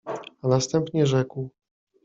A następnie rzekł.